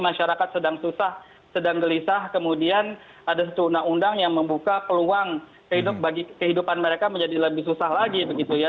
masyarakat sedang susah sedang gelisah kemudian ada satu undang undang yang membuka peluang bagi kehidupan mereka menjadi lebih susah lagi begitu ya